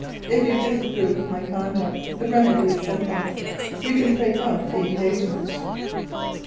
If you disapprove of my conduct, the remedy is simple—you can break off the engagement."